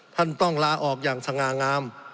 ท่านต้องลาออกอย่างสง่างาม